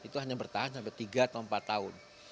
itu hanya bertahan sampai tiga atau empat tahun